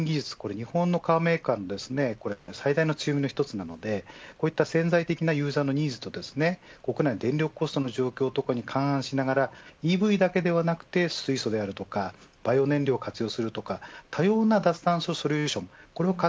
日本のカーメーカーの最大の強みの一つなので潜在的なユーザーのニーズと国内の電力コストの状況ＥＶだけではなく水素であるとかバイオ燃料を活用するとか多様な脱炭素ソリューション